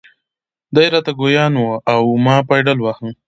دی را ته ګویان و او ما پایډل واهه.